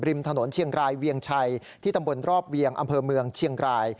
ถนนเชียงรายเวียงชัยที่ตำบลรอบเวียงอำเภอเมืองเชียงราย